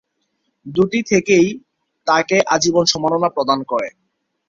দুটিই থেকেই তাকে আজীবন সম্মাননা প্রদান করে।